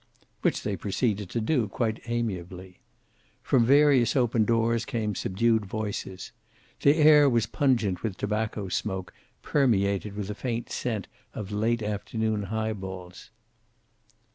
Which they proceeded to do, quite amiably. From various open doors came subdued voices. The air was pungent with tobacco smoke permeated with a faint scent of late afternoon highballs.